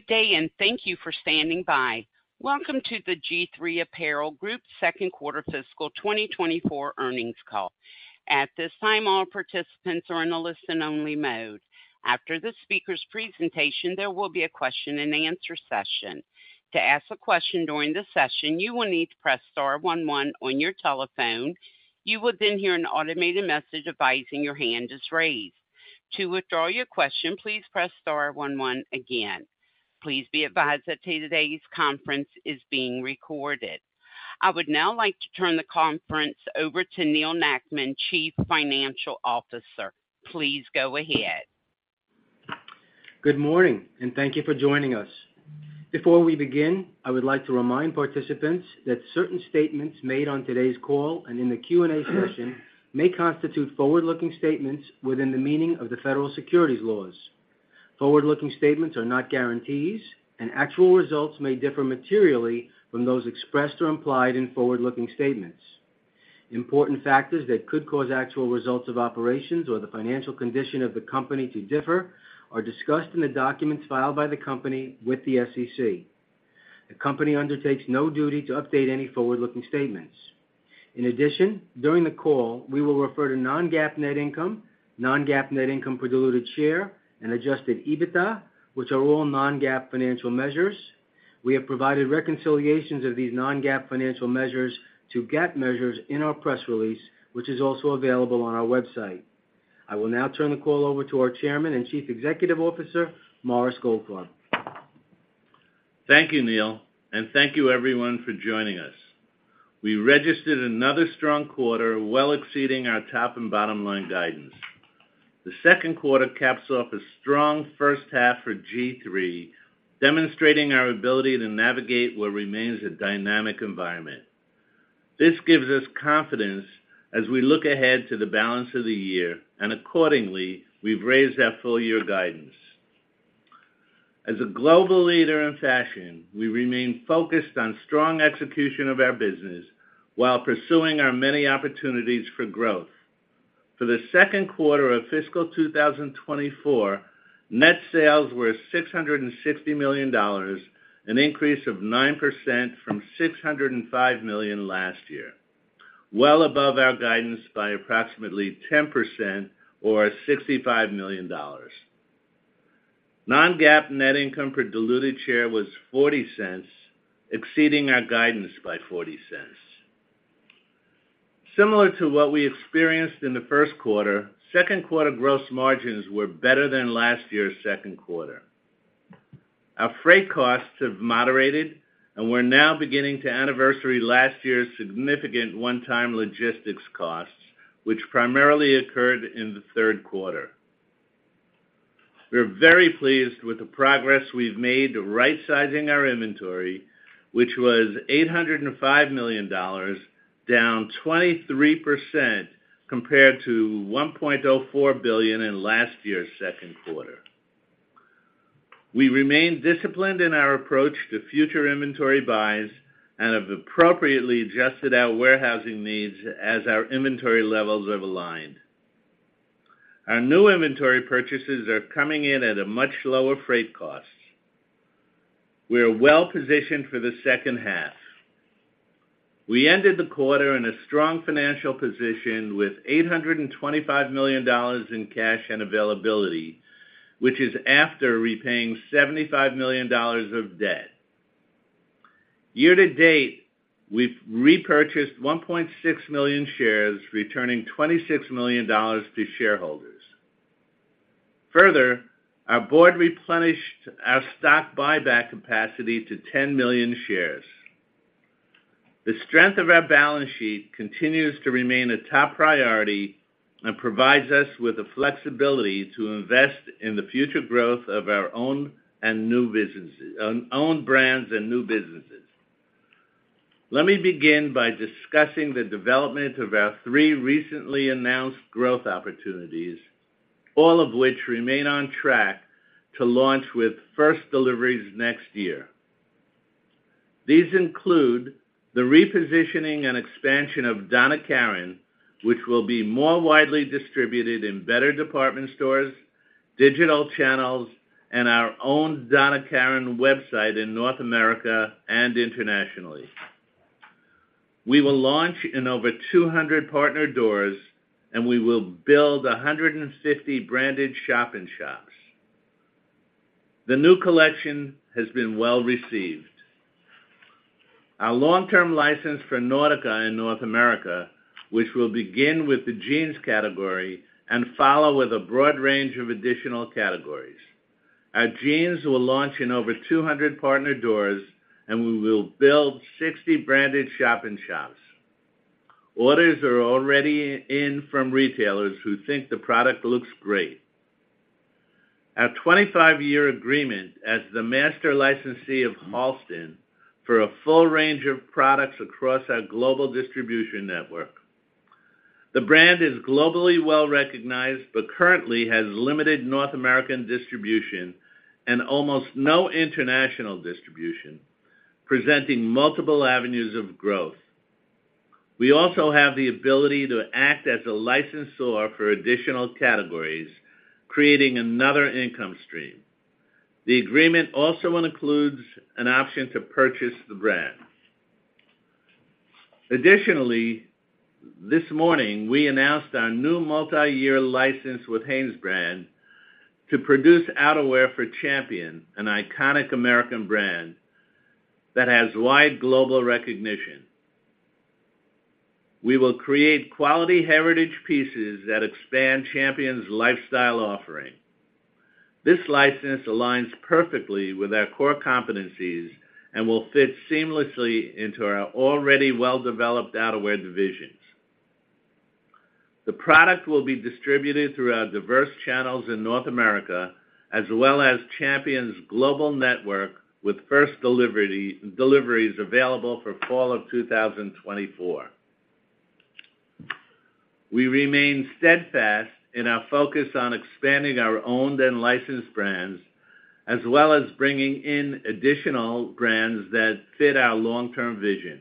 Good day, and thank you for standing by. Welcome to the GIII Apparel Group Second Quarter Fiscal 2024 Earnings Call. At this time, all participants are in a listen-only mode. After the speaker's presentation, there will be a question-and-answer session. To ask a question during the session, you will need to press star one one on your telephone. You will then hear an automated message advising your hand is raised. To withdraw your question, please press star one one again. Please be advised that today's conference is being recorded. I would now like to turn the conference over to Neal Nackman, Chief Financial Officer. Please go ahead. Good morning, and thank you for joining us. Before we begin, I would like to remind participants that certain statements made on today's call and in the Q&A session may constitute forward-looking statements within the meaning of the federal securities laws. Forward-looking statements are not guarantees, and actual results may differ materially from those expressed or implied in forward-looking statements. Important factors that could cause actual results of operations or the financial condition of the company to differ are discussed in the documents filed by the company with the SEC. The company undertakes no duty to update any forward-looking statements. In addition, during the call, we will refer to non-GAAP net income, non-GAAP net income per diluted share, and Adjusted EBITDA, which are all non-GAAP financial measures. We have provided reconciliations of these non-GAAP financial measures to GAAP measures in our press release, which is also available on our website. I will now turn the call over to our Chairman and Chief Executive Officer, Morris Goldfarb. Thank you, Neal, and thank you everyone for joining us. We registered another strong quarter, well exceeding our top and bottom line guidance. The second quarter caps off a strong first half for GIII, demonstrating our ability to navigate what remains a dynamic environment. This gives us confidence as we look ahead to the balance of the year, and accordingly, we've raised our full-year guidance. As a global leader in fashion, we remain focused on strong execution of our business while pursuing our many opportunities for growth. For the second quarter of fiscal 2024, net sales were $660 million, an increase of 9% from $605 million last year, well above our guidance by approximately 10% or $65 million. Non-GAAP net income per diluted share was $0.40, exceeding our guidance by $0.40. Similar to what we experienced in the first quarter, second quarter gross margins were better than last year's second quarter. Our freight costs have moderated, and we're now beginning to anniversary last year's significant one-time logistics costs, which primarily occurred in the third quarter. We're very pleased with the progress we've made to right-sizing our inventory, which was $805 million, down 23% compared to $1.04 billion in last year's second quarter. We remain disciplined in our approach to future inventory buys and have appropriately adjusted our warehousing needs as our inventory levels have aligned. Our new inventory purchases are coming in at a much lower freight cost. We are well-positioned for the second half. We ended the quarter in a strong financial position with $825 million in cash and availability, which is after repaying $75 million of debt. Year to date, we've repurchased 1.6 million shares, returning $26 million to shareholders. Further, our board replenished our stock buyback capacity to 10 million shares. The strength of our balance sheet continues to remain a top priority and provides us with the flexibility to invest in the future growth of our own and new businesses, on own brands and new businesses. Let me begin by discussing the development of our three recently announced growth opportunities, all of which remain on track to launch with first deliveries next year. These include the repositioning and expansion of Donna Karan, which will be more widely distributed in better department stores, digital channels, and our own Donna Karan website in North America and internationally. We will launch in over 200 partner doors, and we will build 150 branded shop-in-shops. The new collection has been well received. Our long-term license for Nautica in North America, which will begin with the jeans category and follow with a broad range of additional categories. Our jeans will launch in over 200 partner doors, and we will build 60 branded shop-in-shops. Orders are already in from retailers who think the product looks great. Our 25-year agreement as the master licensee of Halston for a full range of products across our global distribution network. The brand is globally well-recognized, but currently has limited North American distribution and almost no international distribution, presenting multiple avenues of growth. We also have the ability to act as a licensor for additional categories, creating another income stream. The agreement also includes an option to purchase the brand. Additionally, this morning, we announced our new multiyear license with Hanesbrands to produce outerwear for Champion, an iconic American brand that has wide global recognition. We will create quality heritage pieces that expand Champion's lifestyle offering. This license aligns perfectly with our core competencies and will fit seamlessly into our already well-developed outerwear divisions. The product will be distributed through our diverse channels in North America, as well as Champion's global network, with first deliveries available for fall of 2024. We remain steadfast in our focus on expanding our owned and licensed brands, as well as bringing in additional brands that fit our long-term vision.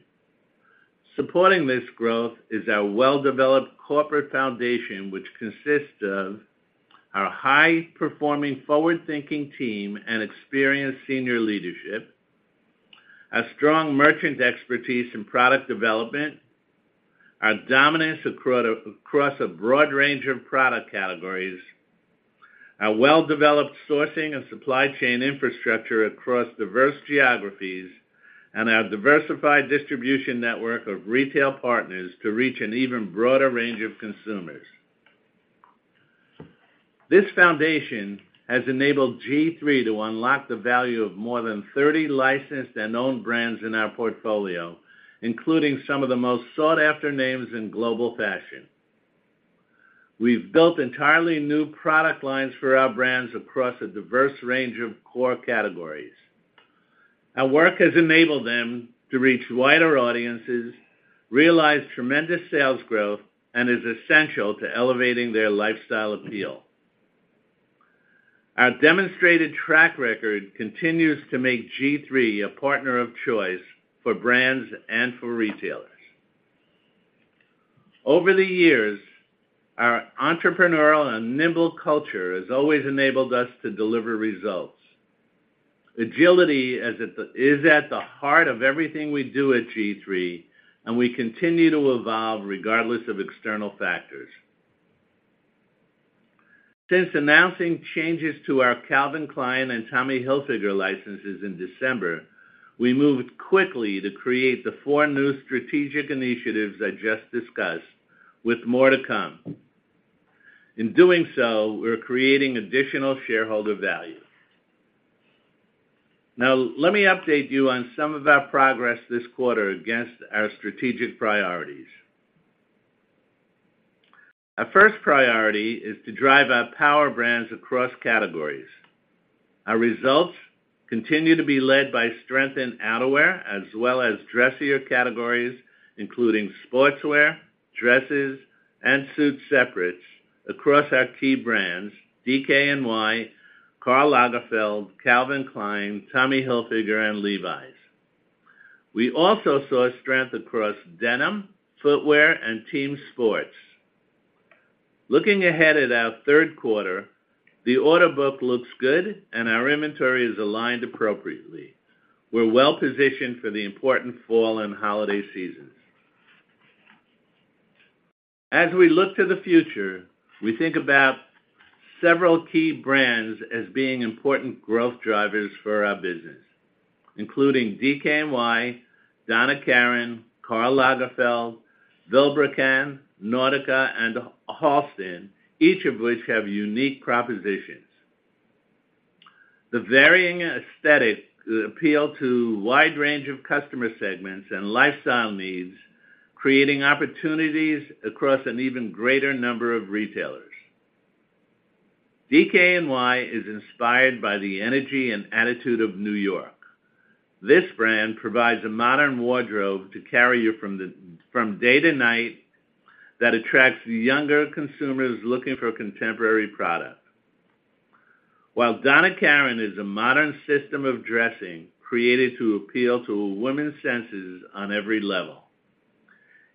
Supporting this growth is our well-developed corporate foundation, which consists of our high-performing, forward-thinking team and experienced senior leadership, a strong merchant expertise in product development, our dominance across a broad range of product categories, our well-developed sourcing and supply chain infrastructure across diverse geographies, and our diversified distribution network of retail partners to reach an even broader range of consumers. This foundation has enabled GIII to unlock the value of more than 30 licensed and owned brands in our portfolio, including some of the most sought-after names in global fashion. We've built entirely new product lines for our brands across a diverse range of core categories. Our work has enabled them to reach wider audiences, realize tremendous sales growth, and is essential to elevating their lifestyle appeal. Our demonstrated track record continues to make GIII a partner of choice for brands and for retailers. Over the years, our entrepreneurial and nimble culture has always enabled us to deliver results. Agility is at the heart of everything we do at GIII, and we continue to evolve regardless of external factors. Since announcing changes to our Calvin Klein and Tommy Hilfiger licenses in December, we moved quickly to create the four new strategic initiatives I just discussed, with more to come. In doing so, we're creating additional shareholder value. Now, let me update you on some of our progress this quarter against our strategic priorities. Our first priority is to drive our power brands across categories. Our results continue to be led by strength in outerwear, as well as dressier categories, including sportswear, dresses, and suit separates across our key brands, DKNY, Karl Lagerfeld, Calvin Klein, Tommy Hilfiger, and Levi's. We also saw strength across denim, footwear, and team sports. Looking ahead at our third quarter, the order book looks good, and our inventory is aligned appropriately. We're well-positioned for the important fall and holiday seasons. As we look to the future, we think about several key brands as being important growth drivers for our business, including DKNY, Donna Karan, Karl Lagerfeld, Vilebrequin, Nautica, and Halston, each of which have unique propositions. The varying aesthetic appeal to a wide range of customer segments and lifestyle needs, creating opportunities across an even greater number of retailers. DKNY is inspired by the energy and attitude of New York. This brand provides a modern wardrobe to carry you from day to night that attracts younger consumers looking for contemporary product. While Donna Karan is a modern system of dressing created to appeal to women's senses on every level.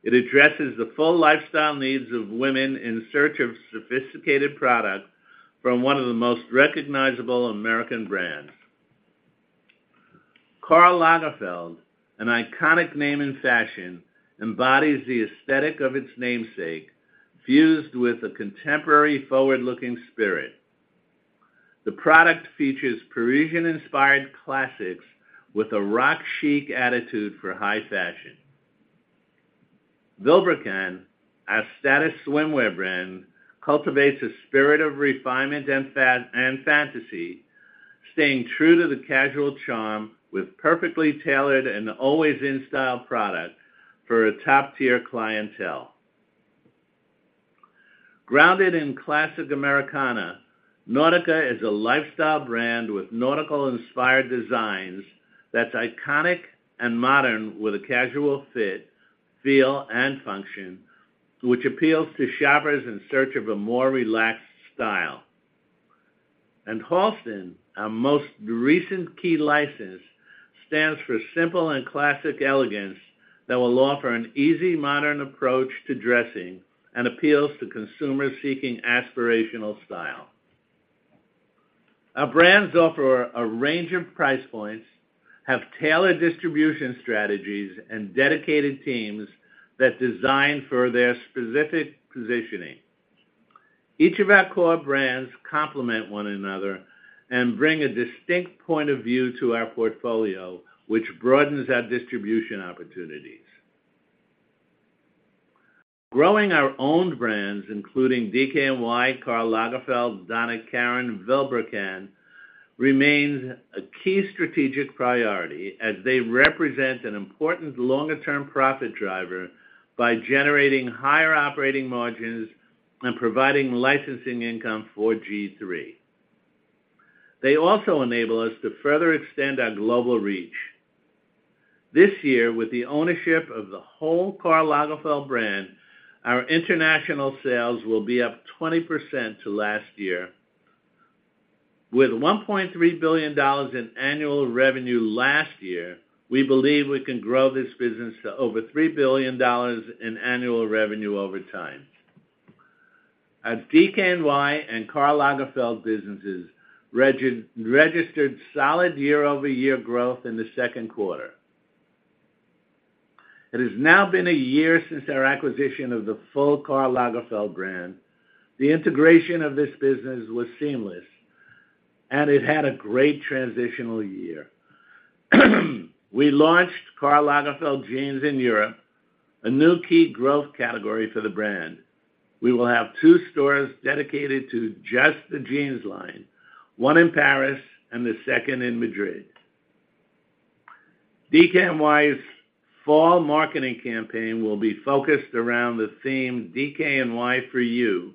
It addresses the full lifestyle needs of women in search of sophisticated product from one of the most recognizable American brands. Karl Lagerfeld, an iconic name in fashion, embodies the aesthetic of its namesake, fused with a contemporary, forward-looking spirit. The product features Parisian-inspired classics with a rock chic attitude for high fashion. Vilebrequin, our status swimwear brand, cultivates a spirit of refinement and fantasy, staying true to the casual charm with perfectly tailored and always in-style product for a top-tier clientele. Grounded in classic Americana, Nautica is a lifestyle brand with nautical-inspired designs that's iconic and modern with a casual fit, feel, and function, which appeals to shoppers in search of a more relaxed style... and Halston, our most recent key license, stands for simple and classic elegance that will offer an easy, modern approach to dressing and appeals to consumers seeking aspirational style. Our brands offer a range of price points, have tailored distribution strategies, and dedicated teams that design for their specific positioning. Each of our core brands complement one another and bring a distinct point of view to our portfolio, which broadens our distribution opportunities. Growing our own brands, including DKNY, Karl Lagerfeld, Donna Karan, Vilebrequin, remains a key strategic priority as they represent an important longer-term profit driver by generating higher operating margins and providing licensing income for GIII. They also enable us to further extend our global reach. This year, with the ownership of the whole Karl Lagerfeld brand, our international sales will be up 20% to last year. With $1.3 billion in annual revenue last year, we believe we can grow this business to over $3 billion in annual revenue over time. Our DKNY and Karl Lagerfeld businesses registered solid year-over-year growth in the second quarter. It has now been a year since our acquisition of the full Karl Lagerfeld brand. The integration of this business was seamless, and it had a great transitional year. We launched Karl Lagerfeld Jeans in Europe, a new key growth category for the brand. We will have two stores dedicated to just the jeans line, one in Paris and the second in Madrid. DKNY's fall marketing campaign will be focused around the theme DKNY For You,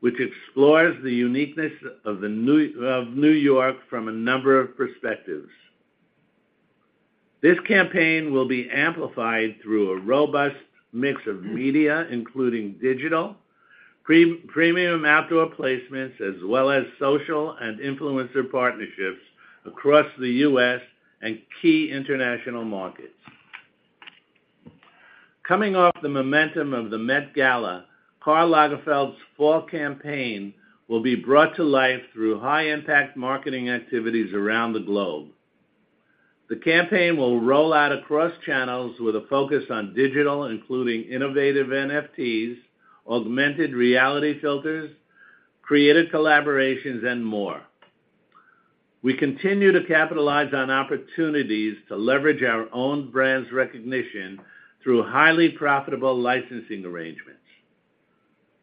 which explores the uniqueness of New York from a number of perspectives. This campaign will be amplified through a robust mix of media, including digital, premium outdoor placements, as well as social and influencer partnerships across the U.S. and key international markets. Coming off the momentum of the Met Gala, Karl Lagerfeld's fall campaign will be brought to life through high-impact marketing activities around the globe. The campaign will roll out across channels with a focus on digital, including innovative NFTs, augmented reality filters, creative collaborations, and more. We continue to capitalize on opportunities to leverage our own brand's recognition through highly profitable licensing arrangements.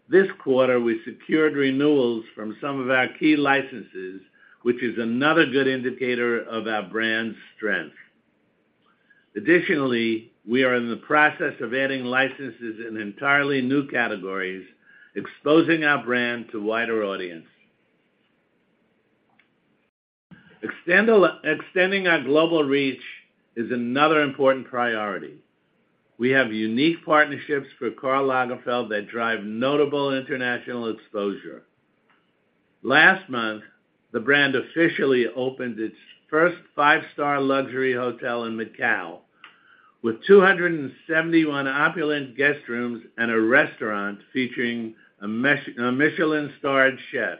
This quarter, we secured renewals from some of our key licenses, which is another good indicator of our brand's strength. Additionally, we are in the process of adding licenses in entirely new categories, exposing our brand to wider audience. Extending our global reach is another important priority. We have unique partnerships for Karl Lagerfeld that drive notable international exposure. Last month, the brand officially opened its first five-star luxury hotel in Macau, with 271 opulent guest rooms and a restaurant featuring a Michelin-starred chef.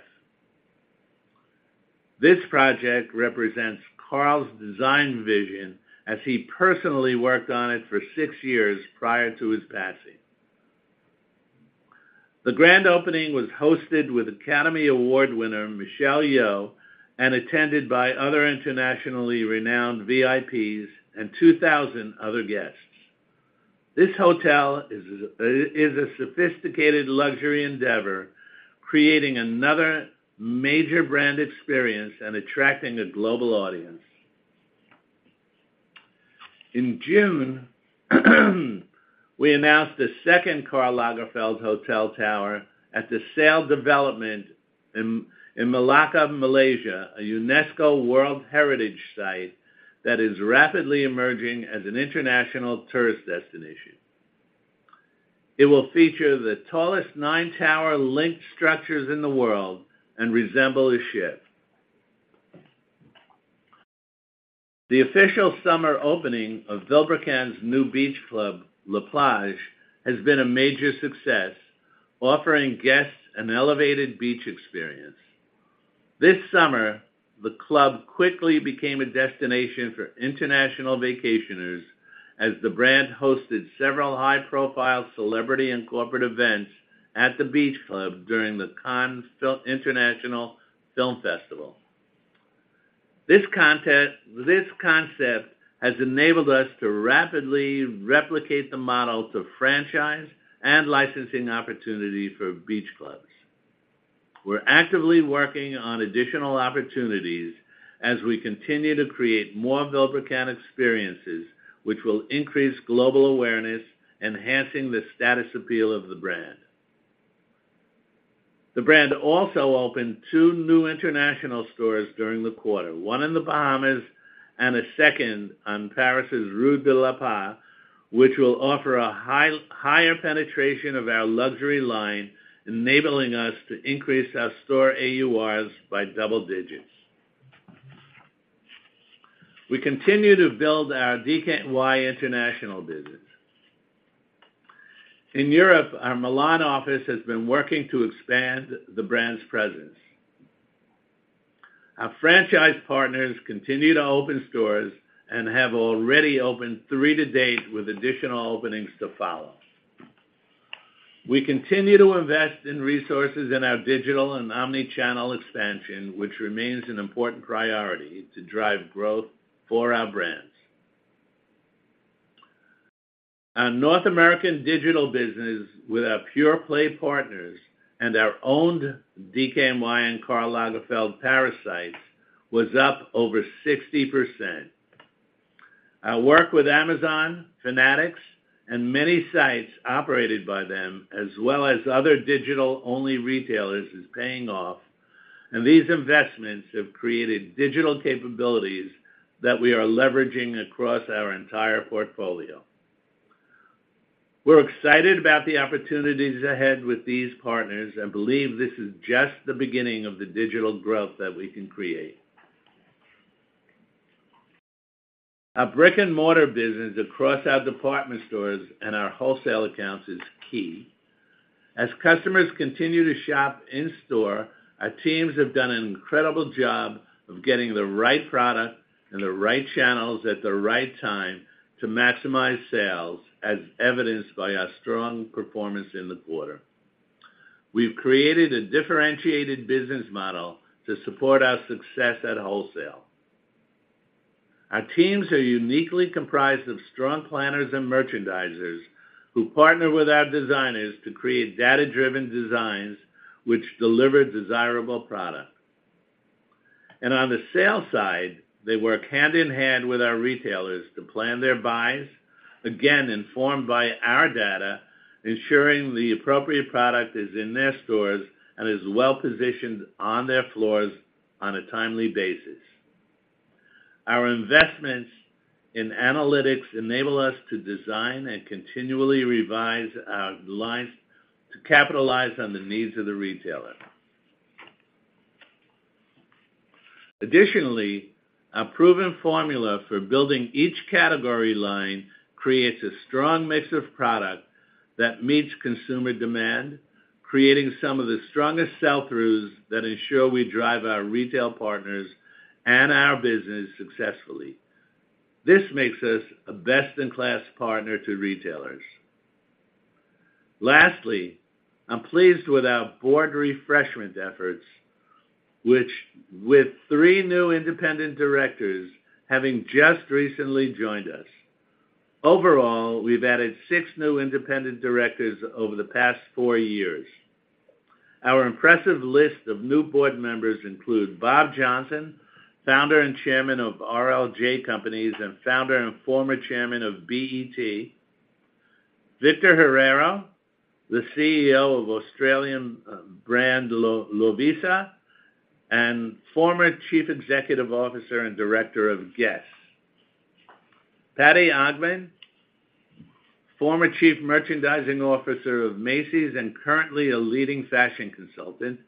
This project represents Karl's design vision, as he personally worked on it for 6 years prior to his passing. The grand opening was hosted with Academy Award winner Michelle Yeoh, and attended by other internationally renowned VIPs and 2,000 other guests. This hotel is a sophisticated luxury endeavor, creating another major brand experience and attracting a global audience. In June, we announced a second Karl Lagerfeld hotel tower at The Sail development in Melaka, Malaysia, a UNESCO World Heritage site that is rapidly emerging as an international tourist destination. It will feature the tallest nine tower linked structures in the world and resemble a ship. The official summer opening of Vilebrequin's new beach club, La Plage, has been a major success, offering guests an elevated beach experience. This summer, the club quickly became a destination for international vacationers as the brand hosted several high-profile celebrity and corporate events at the beach club during the Cannes International Film Festival. This concept has enabled us to rapidly replicate the model to franchise and licensing opportunity for beach clubs. We're actively working on additional opportunities as we continue to create more Vilebrequin experiences, which will increase global awareness, enhancing the status appeal of the brand. The brand also opened two new international stores during the quarter, one in the Bahamas and a second on Paris's Rue de la Paix, which will offer a higher penetration of our luxury line, enabling us to increase our store AURs by double digits. We continue to build our DKNY international business. In Europe, our Milan office has been working to expand the brand's presence. Our franchise partners continue to open stores and have already opened three to date, with additional openings to follow. We continue to invest in resources in our digital and omni-channel expansion, which remains an important priority to drive growth for our brands. Our North American digital business with our pure-play partners and our owned DKNY and Karl Lagerfeld Paris sites was up over 60%. Our work with Amazon, Fanatics, and many sites operated by them, as well as other digital-only retailers, is paying off, and these investments have created digital capabilities that we are leveraging across our entire portfolio. We're excited about the opportunities ahead with these partners and believe this is just the beginning of the digital growth that we can create. Our brick-and-mortar business across our department stores and our wholesale accounts is key. As customers continue to shop in-store, our teams have done an incredible job of getting the right product and the right channels at the right time to maximize sales, as evidenced by our strong performance in the quarter. We've created a differentiated business model to support our success at wholesale. Our teams are uniquely comprised of strong planners and merchandisers, who partner with our designers to create data-driven designs which deliver desirable product. On the sales side, they work hand-in-hand with our retailers to plan their buys, again, informed by our data, ensuring the appropriate product is in their stores and is well-positioned on their floors on a timely basis. Our investments in analytics enable us to design and continually revise our lines to capitalize on the needs of the retailer. Additionally, our proven formula for building each category line creates a strong mix of product that meets consumer demand, creating some of the strongest sell-throughs that ensure we drive our retail partners and our business successfully. This makes us a best-in-class partner to retailers. Lastly, I'm pleased with our board refreshment efforts, which, with 3 new independent directors having just recently joined us. Overall, we've added 6 new independent directors over the past 4 years. Our impressive list of new board members include Bob Johnson, founder and chairman of RLJ Companies and founder and former chairman of BET, Victor Herrero, the CEO of Australian brand Lovisa and former Chief Executive Officer and Director of Guess, Patti Ongman, former Chief Merchandising Officer of Macy's and currently a leading fashion consultant,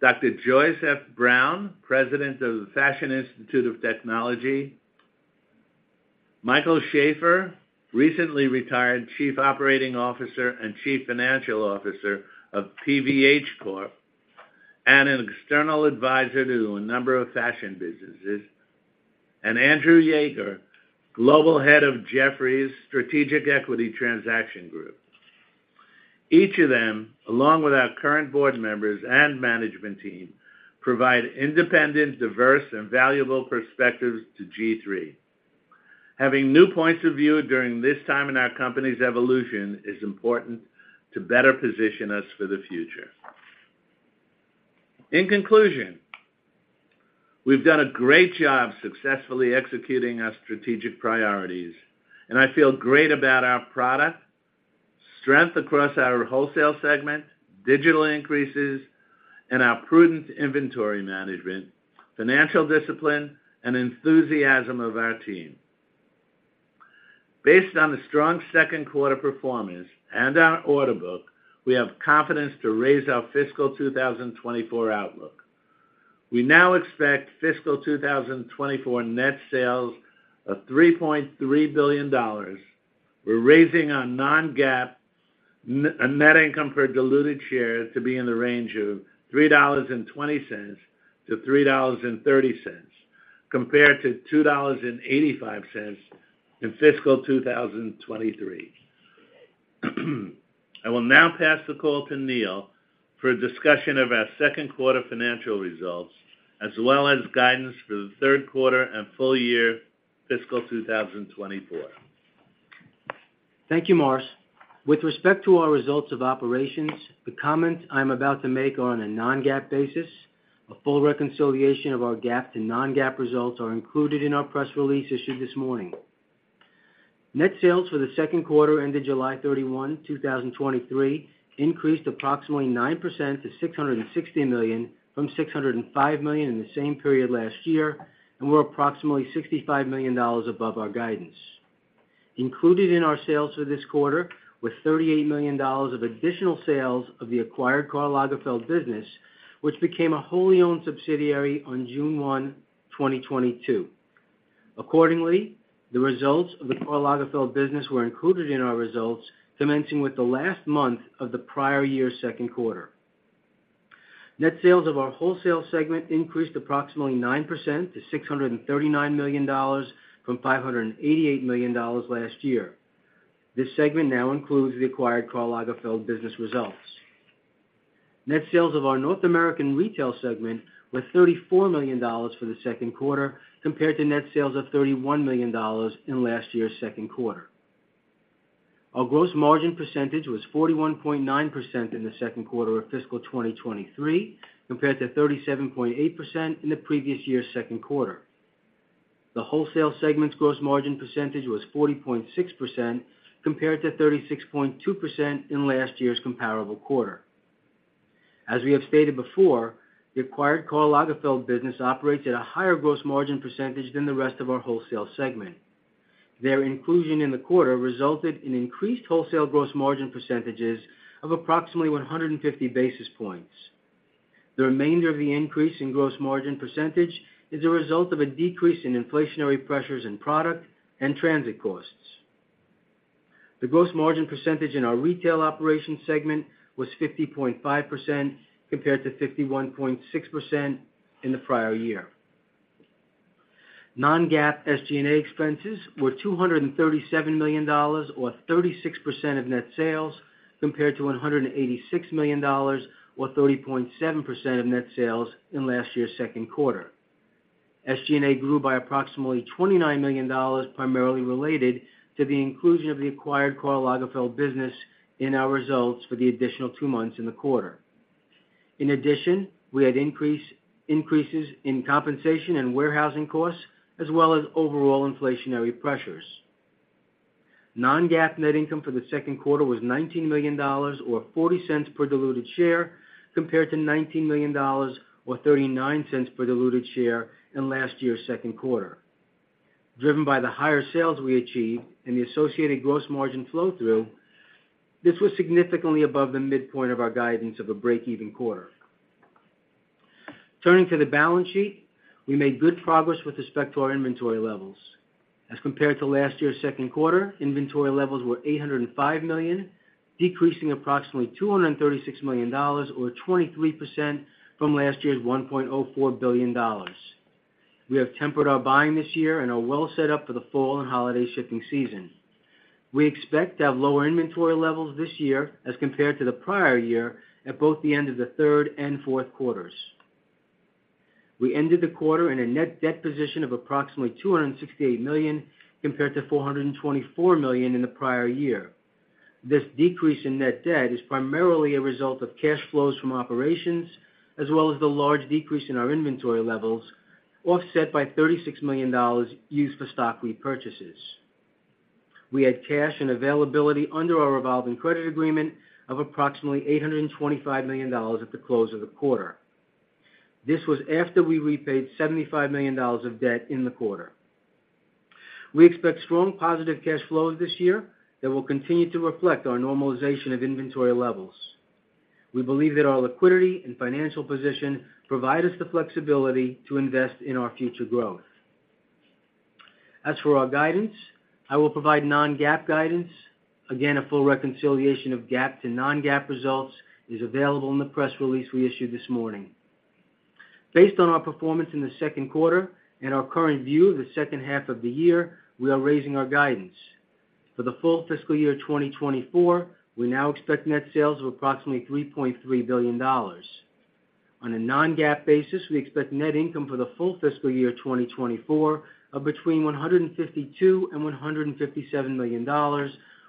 Dr. Joyce F. Brown, President of the Fashion Institute of Technology, Michael Shaffer, recently retired Chief Operating Officer and Chief Financial Officer of PVH Corp, and an external advisor to a number of fashion businesses, and Andrew Yaeger, Global Head of Jefferies Strategic Equity Transaction Group. Each of them, along with our current board members and management team, provide independent, diverse, and valuable perspectives to GIII. Having new points of view during this time in our company's evolution is important to better position us for the future. In conclusion, we've done a great job successfully executing our strategic priorities, and I feel great about our product, strength across our wholesale segment, digital increases, and our prudent inventory management, financial discipline, and enthusiasm of our team. Based on the strong second quarter performance and our order book, we have confidence to raise our fiscal 2024 outlook. We now expect fiscal 2024 net sales of $3.3 billion. We're raising our non-GAAP net income per diluted shares to be in the range of $3.20-$3.30, compared to $2.85 in fiscal 2023. I will now pass the call to Neal for a discussion of our second quarter financial results, as well as guidance for the third quarter and full year fiscal 2024. Thank you, Morris. With respect to our results of operations, the comments I'm about to make are on a non-GAAP basis. A full reconciliation of our GAAP to non-GAAP results are included in our press release issued this morning. Net sales for the second quarter ended 07/31/2023, increased approximately 9% to $660 million from $605 million in the same period last year, and were approximately $65 million above our guidance. Included in our sales for this quarter, were $38 million of additional sales of the acquired Karl Lagerfeld business, which became a wholly-owned subsidiary on 06/01/2022. Accordingly, the results of the Karl Lagerfeld business were included in our results, commencing with the last month of the prior year's second quarter. Net sales of our wholesale segment increased approximately 9% to $639 million from $588 million last year. This segment now includes the acquired Karl Lagerfeld business results. Net sales of our North American retail segment were $34 million for the second quarter, compared to net sales of $31 million in last year's second quarter. Our gross margin percentage was 41.9% in the second quarter of fiscal 2023, compared to 37.8% in the previous year's second quarter. The wholesale segment's gross margin percentage was 40.6%, compared to 36.2% in last year's comparable quarter. As we have stated before, the acquired Karl Lagerfeld business operates at a higher gross margin percentage than the rest of our wholesale segment. Their inclusion in the quarter resulted in increased wholesale gross margin percentages of approximately 150 basis points. The remainder of the increase in gross margin percentage is a result of a decrease in inflationary pressures in product and transit costs. The gross margin percentage in our retail operations segment was 50.5%, compared to 51.6% in the prior year. Non-GAAP SG&A expenses were $237 million, or 36% of net sales, compared to $186 million, or 30.7% of net sales, in last year's second quarter. SG&A grew by approximately $29 million, primarily related to the inclusion of the acquired Karl Lagerfeld business in our results for the additional two months in the quarter. In addition, we had increases in compensation and warehousing costs, as well as overall inflationary pressures. Non-GAAP net income for the second quarter was $19 million or $0.40 per diluted share, compared to $19 million or $0.39 per diluted share in last year's second quarter. Driven by the higher sales we achieved and the associated gross margin flow-through, this was significantly above the midpoint of our guidance of a break-even quarter. Turning to the balance sheet, we made good progress with respect to our inventory levels. As compared to last year's second quarter, inventory levels were $805 million, decreasing approximately $236 million or 23% from last year's $1.04 billion. We have tempered our buying this year and are well set up for the fall and holiday shipping season. We expect to have lower inventory levels this year as compared to the prior year, at both the end of the third and fourth quarters. We ended the quarter in a net debt position of approximately $268 million, compared to $424 million in the prior year. This decrease in net debt is primarily a result of cash flows from operations, as well as the large decrease in our inventory levels, offset by $36 million used for stock repurchases. We had cash and availability under our revolving credit agreement of approximately $825 million at the close of the quarter. This was after we repaid $75 million of debt in the quarter. We expect strong positive cash flows this year that will continue to reflect our normalization of inventory levels. We believe that our liquidity and financial position provide us the flexibility to invest in our future growth. As for our guidance, I will provide non-GAAP guidance. Again, a full reconciliation of GAAP to non-GAAP results is available in the press release we issued this morning. Based on our performance in the second quarter and our current view of the second half of the year, we are raising our guidance. For the full fiscal year 2024, we now expect net sales of approximately $3.3 billion. On a non-GAAP basis, we expect net income for the full fiscal year 2024 of between $152 million and $157 million,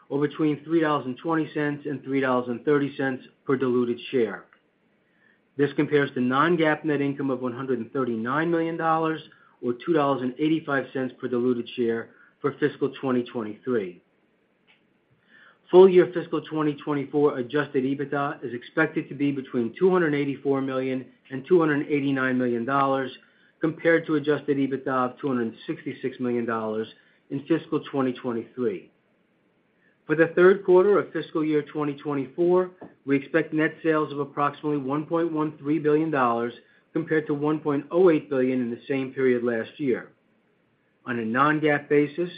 or between $3.20 and $3.30 per diluted share. This compares to non-GAAP net income of $139 million or $2.85 per diluted share for fiscal 2023. Full-year fiscal 2024 adjusted EBITDA is expected to be between $284 million and $289 million, compared to adjusted EBITDA of $266 million in fiscal 2023. For the third quarter of fiscal year 2024, we expect net sales of approximately $1.13 billion, compared to $1.08 billion in the same period last year. On a non-GAAP basis,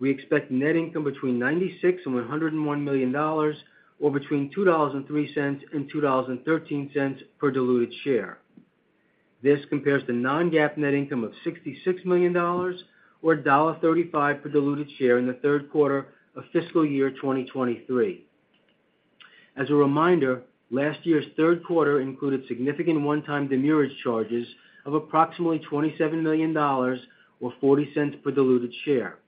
we expect net income between $96 million and $101 million, or between $2.03 and $2.13 per diluted share. This compares to non-GAAP net income of $66 million or $1.35 per diluted share in the third quarter of fiscal year 2023. As a reminder, last year's third quarter included significant one-time demurrage charges of approximately $27 million or $0.40 per diluted share.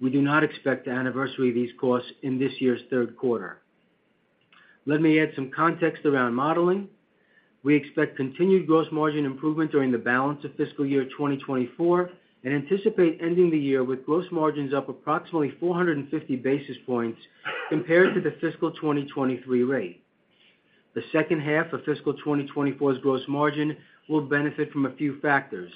We do not expect to anniversary these costs in this year's third quarter. Let me add some context around modeling. We expect continued gross margin improvement during the balance of fiscal year 2024, and anticipate ending the year with gross margins up approximately 450 basis points compared to the fiscal 2023 rate. The second half of fiscal 2024's gross margin will benefit from a few factors.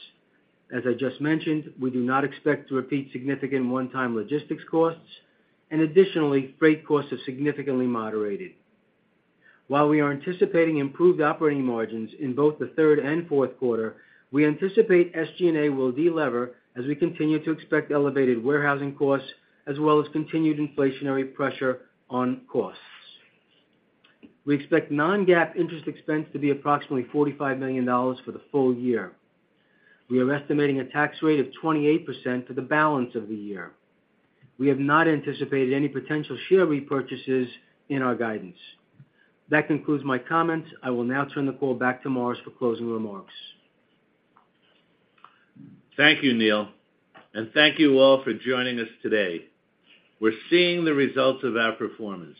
As I just mentioned, we do not expect to repeat significant one-time logistics costs, and additionally, freight costs have significantly moderated. While we are anticipating improved operating margins in both the third and fourth quarter, we anticipate SG&A will delever as we continue to expect elevated warehousing costs, as well as continued inflationary pressure on costs. We expect non-GAAP interest expense to be approximately $45 million for the full year. We are estimating a tax rate of 28% for the balance of the year. We have not anticipated any potential share repurchases in our guidance. That concludes my comments. I will now turn the call back to Morris for closing remarks. Thank you, Neal, and thank you all for joining us today. We're seeing the results of our performance.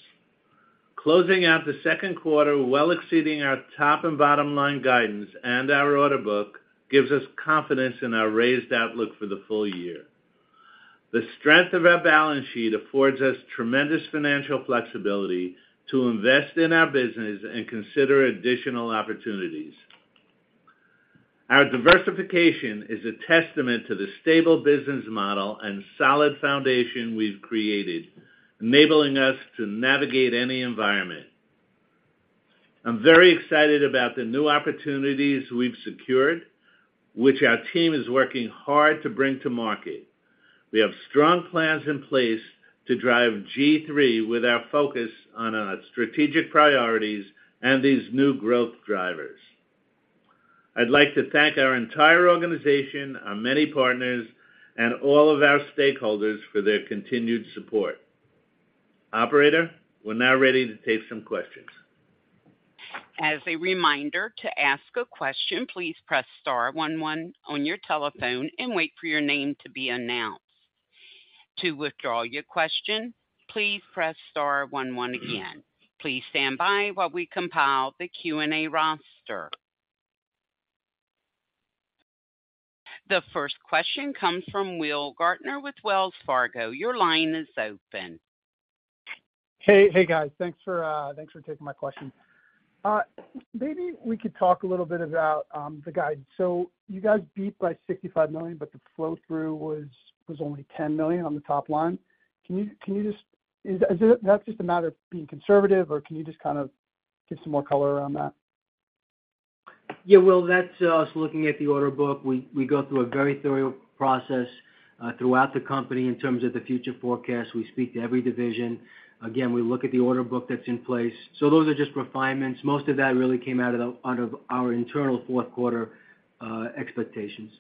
Closing out the second quarter, well exceeding our top and bottom line guidance and our order book, gives us confidence in our raised outlook for the full year. The strength of our balance sheet affords us tremendous financial flexibility to invest in our business and consider additional opportunities. Our diversification is a testament to the stable business model and solid foundation we've created, enabling us to navigate any environment. I'm very excited about the new opportunities we've secured, which our team is working hard to bring to market. We have strong plans in place to drive GIII with our focus on our strategic priorities and these new growth drivers. I'd like to thank our entire organization, our many partners, and all of our stakeholders for their continued support. Operator, we're now ready to take some questions. As a reminder, to ask a question, please press star one, one on your telephone and wait for your name to be announced. To withdraw your question, please press star one, one again. Please stand by while we compile the Q&A roster. The first question comes from Will Gaertner with Wells Fargo. Your line is open. Hey, hey, guys. Thanks for taking my question. Maybe we could talk a little bit about the guidance. So you guys beat by $65 million, but the flow-through was only $10 million on the top line. Can you just-- is it... That's just a matter of being conservative, or can you just kind of give some more color around that? Yeah, Will, that's us looking at the order book. We go through a very thorough process throughout the company in terms of the future forecast. We speak to every division. Again, we look at the order book that's in place. So those are just refinements. Most of that really came out of our internal fourth quarter expectations.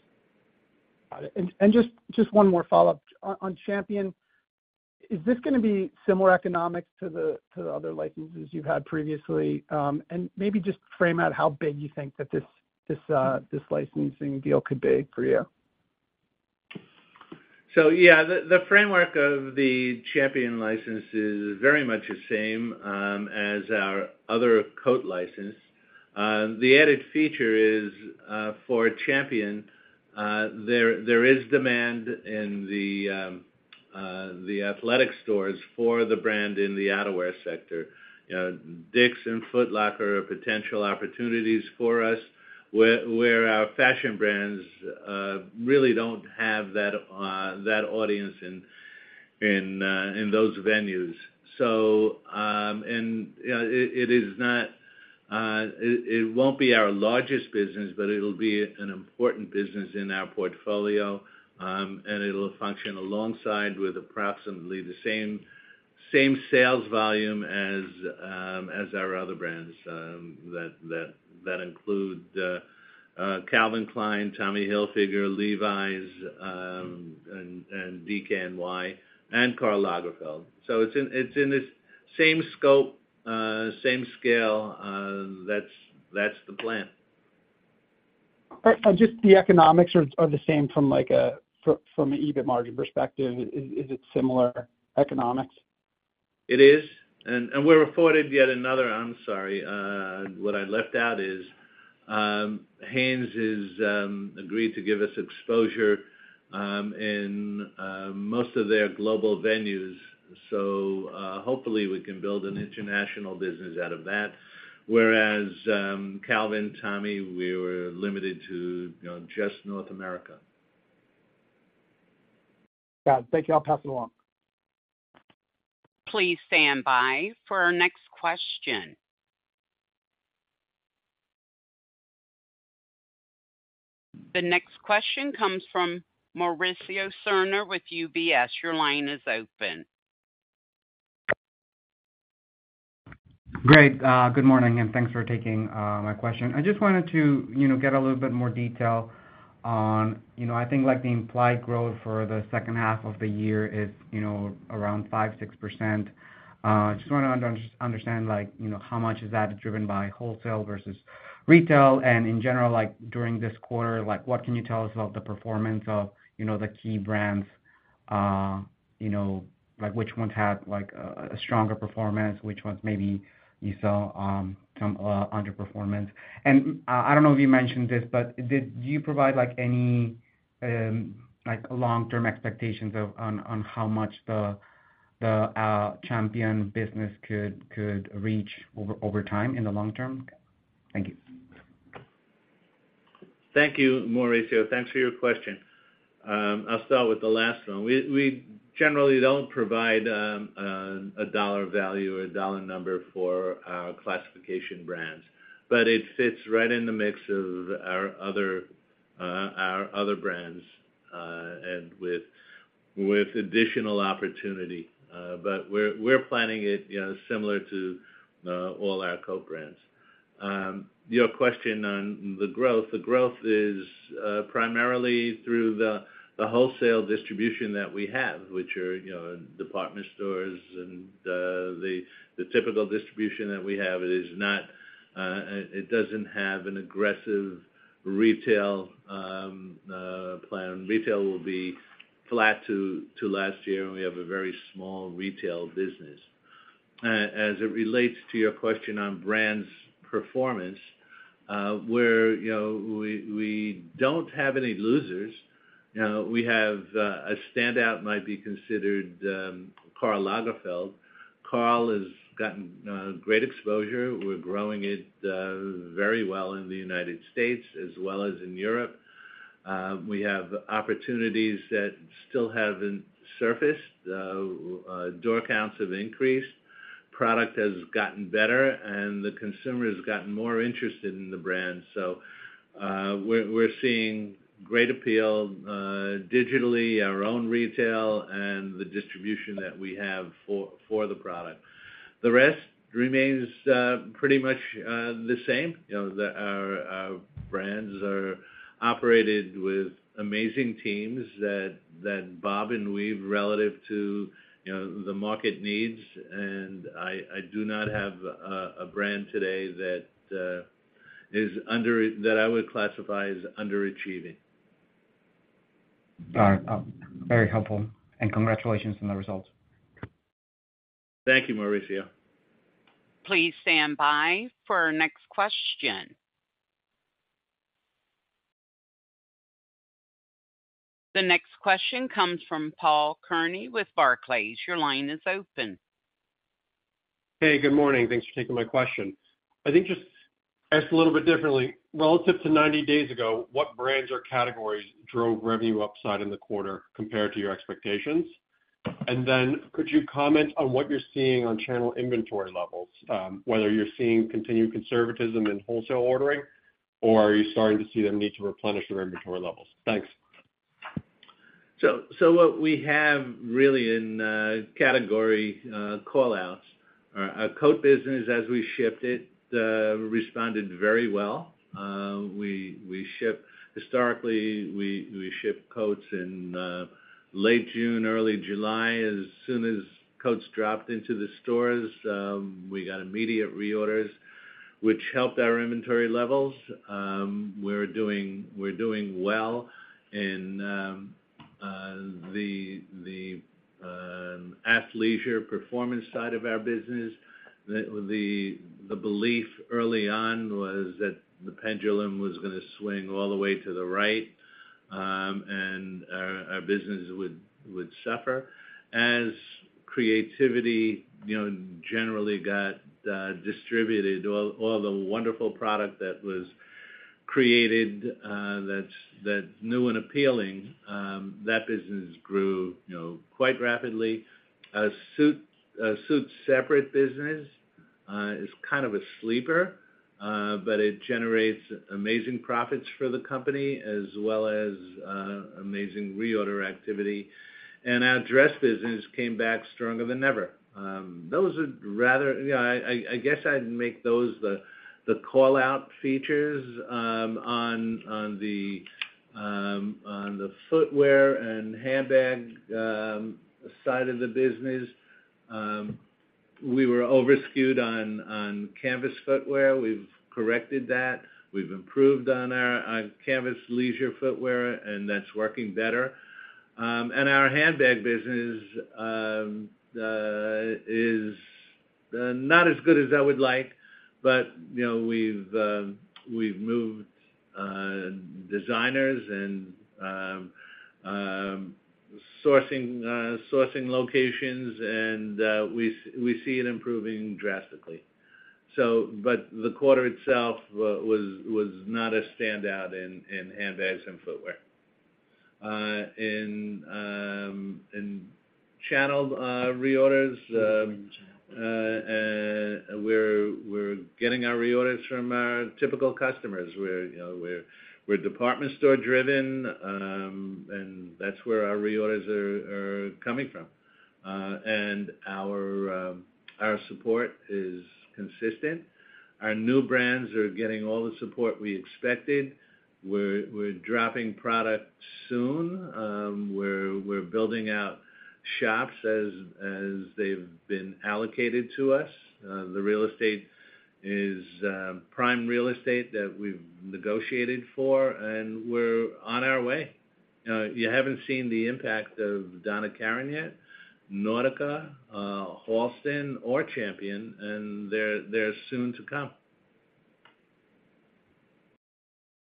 Got it. And just one more follow-up. On Champion, is this gonna be similar economics to the other licenses you've had previously? And maybe just frame out how big you think that this licensing deal could be for you? Yeah, the framework of the Champion license is very much the same as our other coat license. The added feature is, for Champion, there is demand in the athletic stores for the brand in the outerwear sector. Dick's and Foot Locker are potential opportunities for us, where our fashion brands really don't have that audience in those venues. It won't be our largest business, but it'll be an important business in our portfolio, and it'll function alongside with approximately the same sales volume as our other brands that include Calvin Klein, Tommy Hilfiger, Levi's, and DKNY, and Karl Lagerfeld. It's in, it's in this same scope, same scale, that's the plan. And just the economics are the same from, like, a from an EBIT margin perspective. Is it similar economics? It is. And we're afforded yet another—I'm sorry, what I left out is, Hanes is agreed to give us exposure in most of their global venues. So, hopefully, we can build an international business out of that, whereas, Calvin, Tommy, we were limited to, you know, just North America. Got it. Thank you. I'll pass it along. Please stand by for our next question. The next question comes from Mauricio Serna with UBS. Your line is open. Great. Good morning, and thanks for taking my question. I just wanted to, you know, get a little bit more detail on, you know, I think, like, the implied growth for the second half of the year is, you know, around 5%-6%. Just wanna understand, like, you know, how much is that driven by wholesale versus retail? And in general, like, during this quarter, like, what can you tell us about the performance of, you know, the key brands? You know, like, which ones had, like, a stronger performance, which ones maybe you saw some underperformance? And, I don't know if you mentioned this, but did you provide, like, any, like, long-term expectations on how much the Champion business could reach over time in the long term? Thank you. Thank you, Mauricio. Thanks for your question. I'll start with the last one. We generally don't provide a dollar value or a dollar number for our classification brands, but it fits right in the mix of our other, our other brands, and with additional opportunity. But we're planning it, you know, similar to all our co-brands. Your question on the growth. The growth is primarily through the wholesale distribution that we have, which are, you know, department stores and the typical distribution that we have. It is not, it doesn't have an aggressive retail plan. Retail will be flat to last year, and we have a very small retail business. As it relates to your question on brands' performance, we're, you know, we don't have any losers. You know, we have a standout might be considered Karl Lagerfeld. Karl has gotten great exposure. We're growing it very well in the United States as well as in Europe. We have opportunities that still haven't surfaced. Door counts have increased, product has gotten better, and the consumer has gotten more interested in the brand. So, we're seeing great appeal digitally, our own retail, and the distribution that we have for the product. The rest remains pretty much the same. You know, our brands are operated with amazing teams that bob and weave relative to, you know, the market needs, and I do not have a brand today that is under-- that I would classify as underachieving. All right. Very helpful, and congratulations on the results. Thank you, Mauricio. Please stand by for our next question. The next question comes from Paul Kearney with Barclays. Your line is open. Hey, good morning. Thanks for taking my question. I think just ask a little bit differently. Relative to 90 days ago, what brands or categories drove revenue upside in the quarter compared to your expectations? And then, could you comment on what you're seeing on channel inventory levels? Whether you're seeing continued conservatism in wholesale ordering, or are you starting to see them need to replenish their inventory levels? Thanks. So, what we have really in category call-outs are our coat business, as we shipped it responded very well. We ship—historically, we ship coats in late June, early July. As soon as coats dropped into the stores, we got immediate reorders, which helped our inventory levels. We're doing well in the athleisure performance side of our business. The belief early on was that the pendulum was gonna swing all the way to the right, and our business would suffer. As creativity, you know, generally got distributed, all the wonderful product that was created, that's new and appealing, that business grew, you know, quite rapidly. Our suit separate business is kind of a sleeper, but it generates amazing profits for the company as well as amazing reorder activity. And our dress business came back stronger than ever. Those are rather... You know, I guess I'd make those the call-out features. On the footwear and handbag side of the business, we were over-skewed on canvas footwear. We've corrected that. We've improved on our canvas leisure footwear, and that's working better. And our handbag business is not as good as I would like, but, you know, we've moved designers and sourcing locations, and we see it improving drastically. So, but the quarter itself was not a standout in handbags and footwear. In channel reorders, we're getting our reorders from our typical customers. We're, you know, we're department store-driven, and that's where our reorders are coming from. And our support is consistent. Our new brands are getting all the support we expected. We're dropping product soon. We're building out shops as they've been allocated to us. The real estate is prime real estate that we've negotiated for, and we're on our way. You haven't seen the impact of Donna Karan yet, Nautica, Halston, or Champion, and they're soon to come.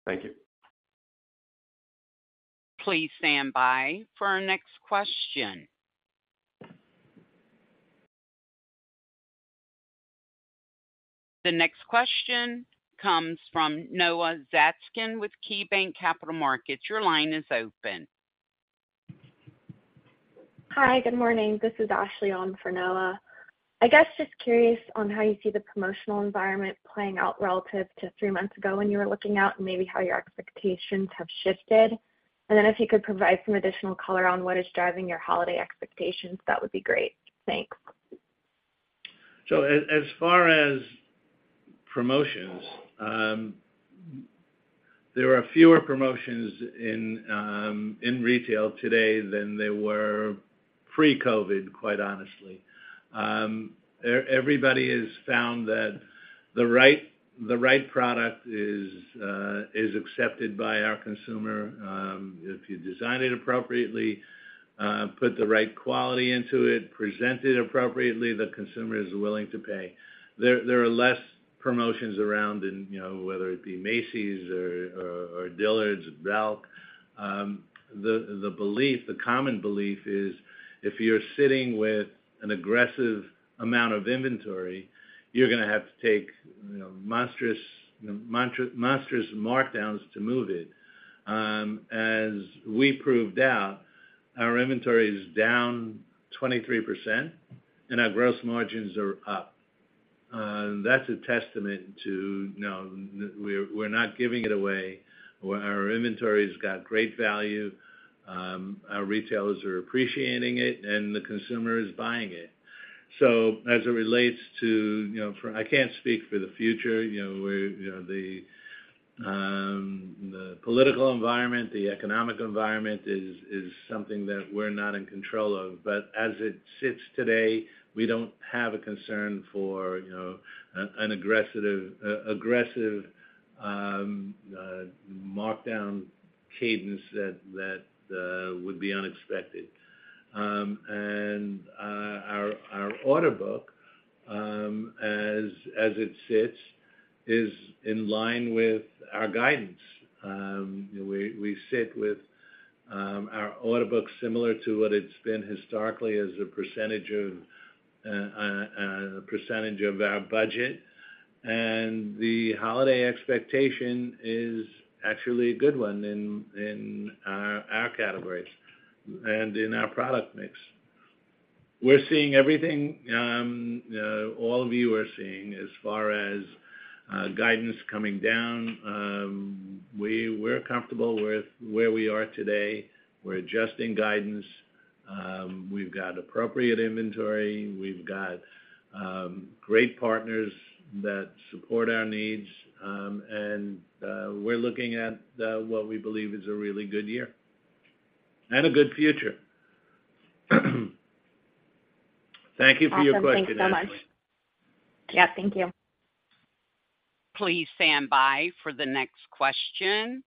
Thank you. Please stand by for our next question. The next question comes from Noah Zatzkin with KeyBanc Capital Markets. Your line is open. Hi, good morning. This is Ashley on for Noah. I guess, just curious on how you see the promotional environment playing out relative to three months ago when you were looking out and maybe how your expectations have shifted. And then if you could provide some additional color on what is driving your holiday expectations, that would be great. Thanks. So as far as promotions, there are fewer promotions in retail today than there were pre-COVID, quite honestly. Everybody has found that the right product is accepted by our consumer. If you design it appropriately, put the right quality into it, present it appropriately, the consumer is willing to pay. There are less promotions around, you know, whether it be Macy's or Dillard's, Belk. The belief, the common belief is if you're sitting with an aggressive amount of inventory, you're gonna have to take, you know, monstrous markdowns to move it. As we proved out, our inventory is down 23% and our gross margins are up. That's a testament to, you know, we're not giving it away. Our inventory has got great value, our retailers are appreciating it, and the consumer is buying it. So as it relates to, you know, I can't speak for the future, you know, where, you know, the political environment, the economic environment is something that we're not in control of. But as it sits today, we don't have a concern for, you know, an aggressive markdown cadence that would be unexpected. And our order book, as it sits, is in line with our guidance. We sit with our order book similar to what it's been historically as a percentage of a percentage of our budget. And the holiday expectation is actually a good one in our categories and in our product mix. We're seeing everything all of you are seeing as far as guidance coming down. We're comfortable with where we are today. We're adjusting guidance. We've got appropriate inventory. We've got great partners that support our needs, and we're looking at what we believe is a really good year and a good future. Thank you for your question, Ashley. Awesome. Thanks so much. Yeah, thank you. Please stand by for the next question.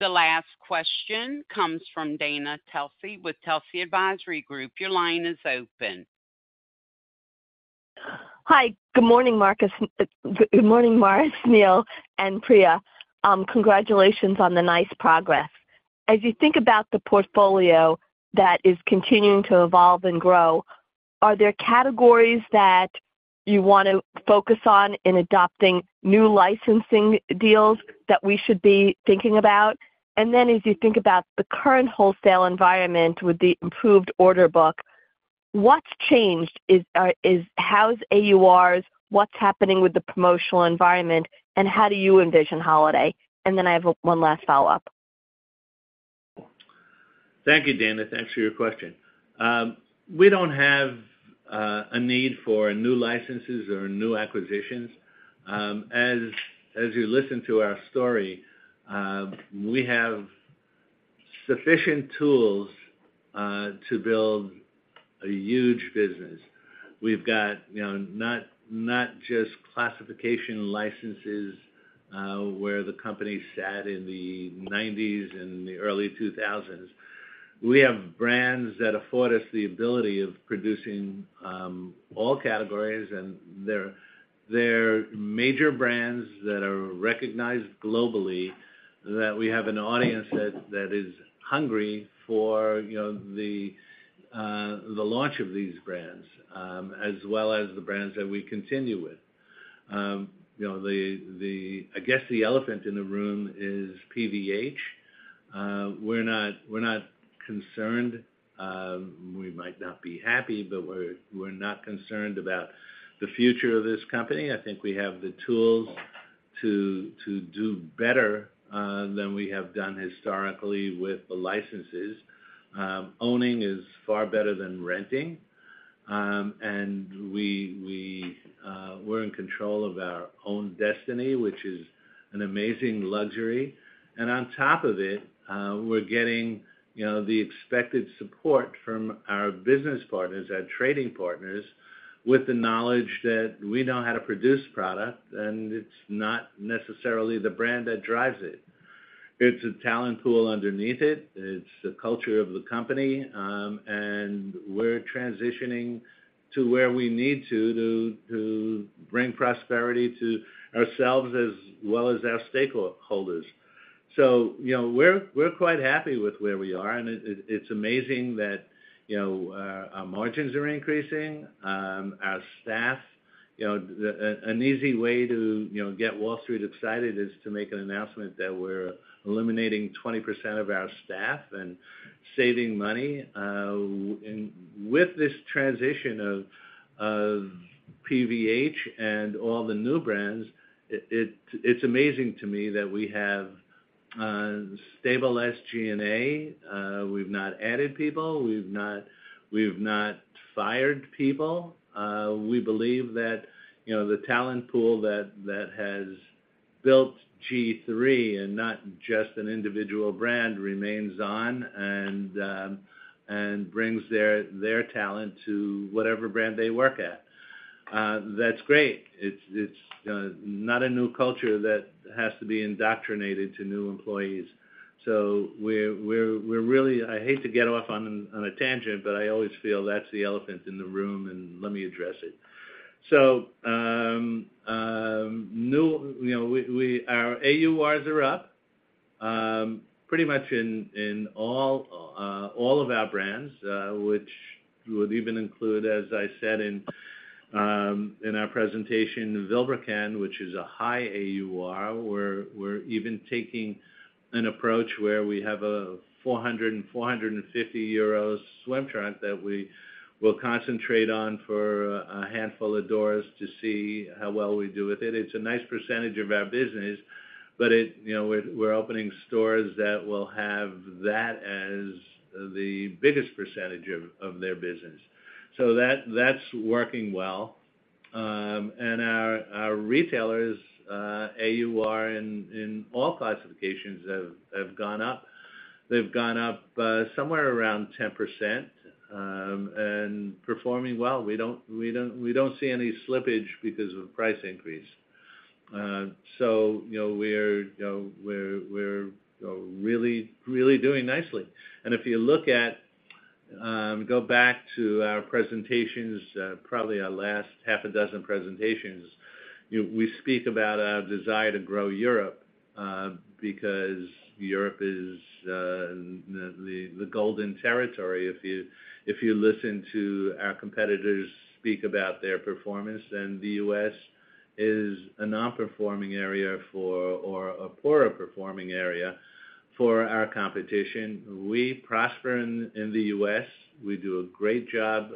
The last question comes from Dana Telsey with Telsey Advisory Group. Your line is open. Hi, good morning, Morris. Good morning, Morris, Neal, and Priya. Congratulations on the nice progress. As you think about the portfolio that is continuing to evolve and grow, are there categories that you want to focus on in adopting new licensing deals that we should be thinking about? And then as you think about the current wholesale environment with the improved order book, what's changed? how's AURs, what's happening with the promotional environment, and how do you envision holiday? And then I have one last follow-up. Thank you, Dana. Thanks for your question. We don't have a need for new licenses or new acquisitions. As you listen to our story, we have sufficient tools to build a huge business. We've got, you know, not just classification licenses, where the company sat in the nineties and the early 2000s. We have brands that afford us the ability of producing all categories, and they're major brands that are recognized globally, that we have an audience that is hungry for, you know, the launch of these brands, as well as the brands that we continue with. You know, the... I guess the elephant in the room is PVH. We're not concerned. We might not be happy, but we're not concerned about the future of this company. I think we have the tools to do better than we have done historically with the licenses. Owning is far better than renting. And we, we're in control of our own destiny, which is an amazing luxury. And on top of it, we're getting, you know, the expected support from our business partners, our trading partners, with the knowledge that we know how to produce product, and it's not necessarily the brand that drives it. It's a talent pool underneath it. It's the culture of the company, and we're transitioning to where we need to bring prosperity to ourselves as well as our stakeholders. So, you know, we're quite happy with where we are, and it's amazing that, you know, our margins are increasing. Our staff, you know, an easy way to, you know, get Wall Street excited is to make an announcement that we're eliminating 20% of our staff and saving money. And with this transition of PVH and all the new brands, it's amazing to me that we have stable SG&A. We've not added people; we've not fired people. We believe that, you know, the talent pool that has built GIII, and not just an individual brand, remains on and brings their talent to whatever brand they work at. That's great. It's not a new culture that has to be indoctrinated to new employees. So we're really... I hate to get off on a tangent, but I always feel that's the elephant in the room, and let me address it. So, you know, we-- our AURs are up pretty much in all of our brands, which would even include, as I said in our presentation, Vilebrequin, which is a high AUR. We're even taking an approach where we have a 400-450 euros swim trunk that we will concentrate on for a handful of doors to see how well we do with it. It's a nice percentage of our business, but it-- you know, we're opening stores that will have that as the biggest percentage of their business. So that's working well. And our retailers' AUR in all classifications have gone up. They've gone up somewhere around 10%, and performing well. We don't see any slippage because of price increase. So you know, we're really really doing nicely. And if you look at, go back to our presentations, probably our last 6 presentations, you know, we speak about our desire to grow Europe, because Europe is the golden territory. If you listen to our competitors speak about their performance, then the U.S. is a non-performing area for, or a poorer-performing area for our competition. We prosper in the U.S. We do a great job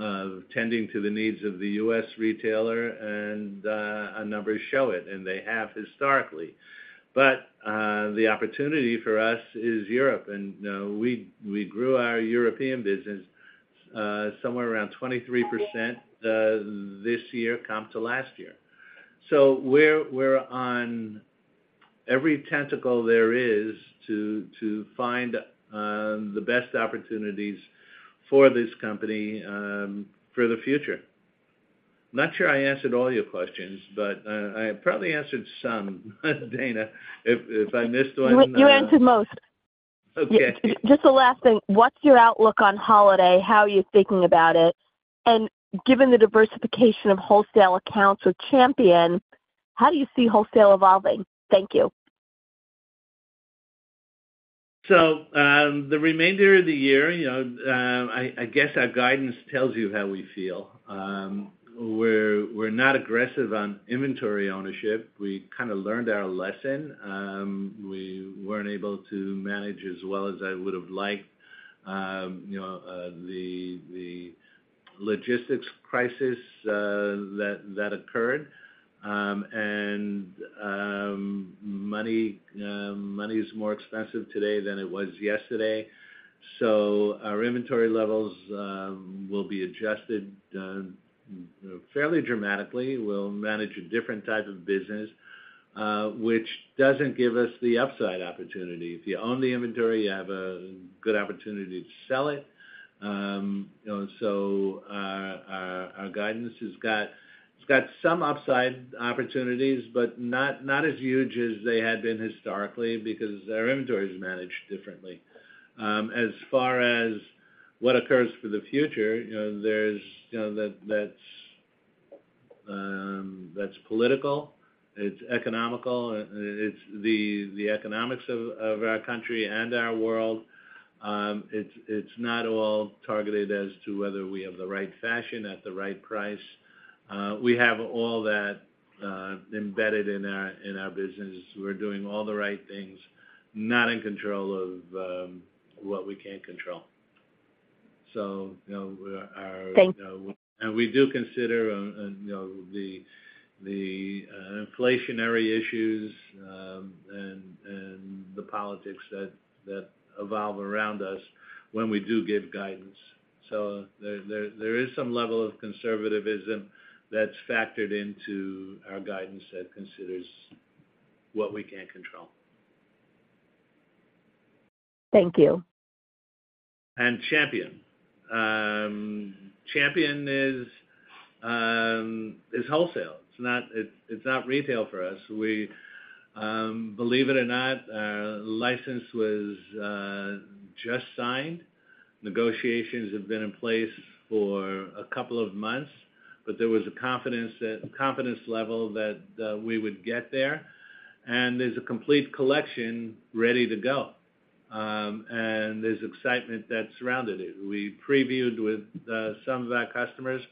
of tending to the needs of the U.S. retailer, and our numbers show it, and they have historically. But the opportunity for us is Europe, and we grew our European business somewhere around 23% this year, comp to last year. So we're on every tentacle there is to find the best opportunities for this company for the future. I'm not sure I answered all your questions, but I probably answered some. Dana, if I missed one, You answered most. Okay. Just the last thing: What's your outlook on holiday? How are you thinking about it? And given the diversification of wholesale accounts with Champion, how do you see wholesale evolving? Thank you. So, the remainder of the year, you know, I guess our guidance tells you how we feel. We're not aggressive on inventory ownership. We kind of learned our lesson. We weren't able to manage as well as I would've liked, you know, the logistics crisis that occurred. Money is more expensive today than it was yesterday. So our inventory levels will be adjusted fairly dramatically. We'll manage a different type of business which doesn't give us the upside opportunity. If you own the inventory, you have a good opportunity to sell it. You know, so our guidance has got, it's got some upside opportunities, but not as huge as they had been historically because our inventory is managed differently. As far as what occurs for the future, you know, there's, you know, that's political, it's economic, it's the economics of our country and our world. It's not all targeted as to whether we have the right fashion at the right price. We have all that embedded in our business. We're doing all the right things, not in control of what we can't control. So, you know, we're, you know- Thank you. We do consider, you know, the inflationary issues and the politics that evolve around us when we do give guidance. So there is some level of conservatism that's factored into our guidance that considers what we can't control. Thank you. Champion. Champion is wholesale. It's not retail for us. We believe it or not, our license was just signed. Negotiations have been in place for a couple of months, but there was a confidence level that we would get there, and there's a complete collection ready to go. And there's excitement that surrounded it. We previewed with some of our customers,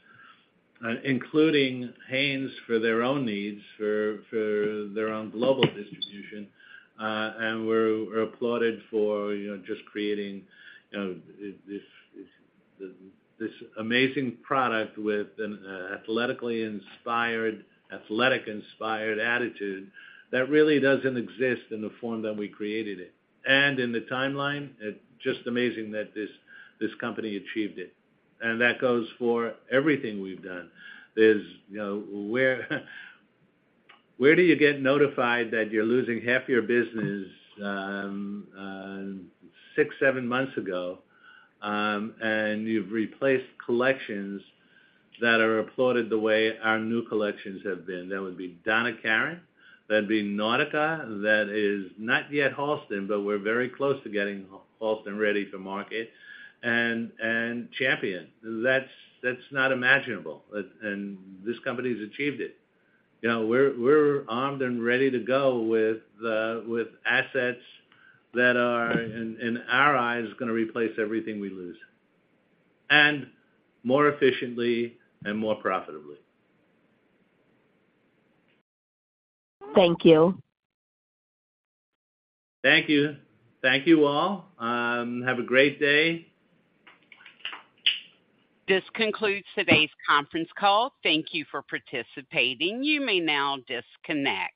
including Hanes, for their own needs, for their own global distribution, and we're applauded for, you know, just creating, you know, this, this, this amazing product with an athletically inspired, athletic inspired attitude that really doesn't exist in the form that we created it. And in the timeline, it's just amazing that this company achieved it. And that goes for everything we've done. There's, you know, where, where do you get notified that you're losing half your business, six, seven months ago, and you've replaced collections that are applauded the way our new collections have been? That would be Donna Karan, that'd be Nautica, that is not yet Halston, but we're very close to getting Halston ready for market, and, and Champion. That's, that's not imaginable, but and this company's achieved it. You know, we're, we're armed and ready to go with the, with assets that are, in, in our eyes, gonna replace everything we lose, and more efficiently and more profitably. Thank you. Thank you. Thank you, all. Have a great day. This concludes today's conference call. Thank you for participating. You may now disconnect.